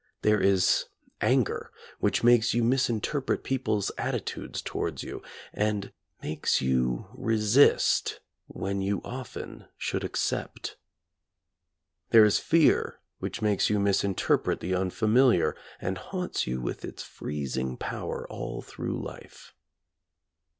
There is anger which makes you mis interpret people's attitudes towards you, and makes you resist when you often should accept. There is fear, which makes you misinterpret the unfamiliar and haunts you with its freezing power all through life.